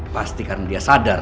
pasti karena dia salahin nathan ya